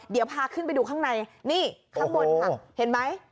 เดี๋ยวพาขึ้นไปดูข้างในนี่ข้างบนค่ะเห็นไหม